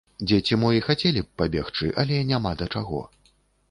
Дзеці мо і хацелі б пабегчы, але няма да чаго.